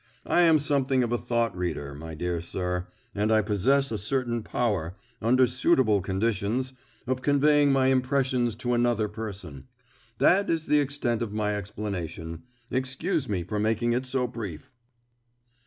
I am something of a thought reader, my dear sir, and I possess a certain power, under suitable conditions, of conveying my impressions to another person. That is the extent of my explanation. Excuse me for making it so brief."